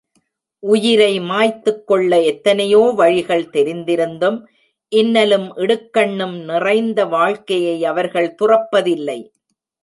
உயிரை மாய்த்துக் கொள்ள எத்தனையோ வழிகள் தெரிந்திருந்தும், இன்னலும் இடுக்கணும் நிறைந்த வாழ்க்கையை அவர்கள் துறப்பதில்லை.